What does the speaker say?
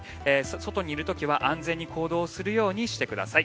外にいる時は安全に行動するようにしてください。